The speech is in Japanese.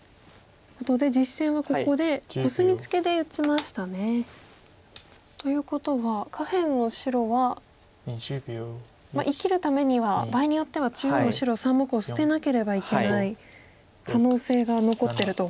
ことで実戦はここでコスミツケで打ちましたね。ということは下辺の白は生きるためには場合によっては中央の白３目を捨てなければいけない可能性が残ってると。